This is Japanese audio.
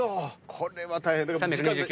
これは大変。